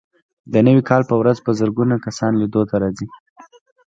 د نوي کال په ورځ په زرګونه کسان لیدو ته راځي.